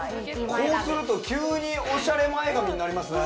こうすると急におしゃれ前髪になりますね